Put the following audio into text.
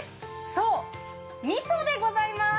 そう、みそでございます。